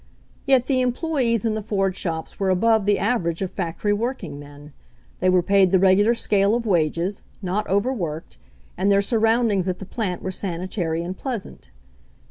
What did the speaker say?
Yet the employees in the Ford shops were above the average of factory workingmen. They were paid the regular scale of wages, not overworked, and their surroundings at the plant were sanitary and pleasant.